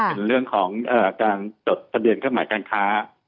เป็นเรื่องของการจดทะเบียนเครื่องหมายการค้า